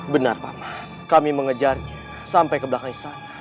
benar pak man kami mengejarnya sampai ke belakang istana